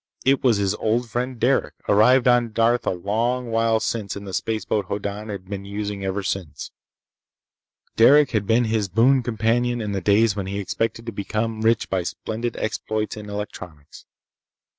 It was his old friend Derec, arrived on Darth a long while since in the spaceboat Hoddan had been using ever since. Derec had been his boon companion in the days when he expected to become rich by splendid exploits in electronics.